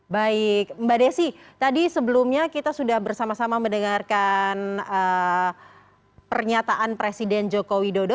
baik mbak desi tadi sebelumnya kita sudah bersama sama mendengarkan pernyataan presiden joko widodo